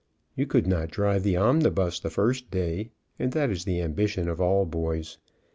You could not drive the omnibus the first day, and that is the ambition of all boys.